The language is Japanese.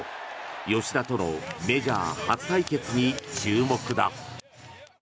吉田とのメジャー初対決に注目だ。